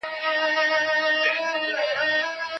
بې عدالتي خلګ د بغاوت لور ته بیايي.